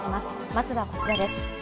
まずはこちらです。